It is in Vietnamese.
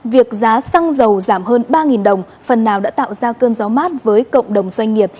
việc giá xăng dầu giảm hơn ba đồng phần nào đã tạo ra cơn gió mát với cộng đồng doanh nghiệp